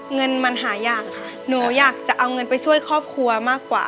เงินมันหายากค่ะหนูอยากจะเอาเงินไปช่วยครอบครัวมากกว่า